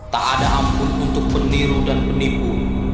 tak ada ampun untuk peniru dan penipu